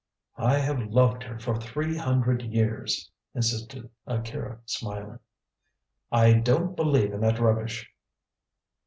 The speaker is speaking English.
"I have loved her for three hundred years!" insisted Akira, smiling. "I don't believe in that rubbish."